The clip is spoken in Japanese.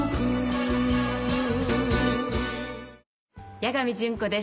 八神純子です。